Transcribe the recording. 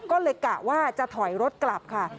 ก็เลยกะว่าจะถอยรถกลับค่ะ